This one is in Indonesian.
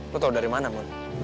lo tau dari mana mon